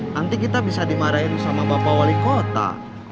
nanti kita bisa dimarahin sama bapak wali kota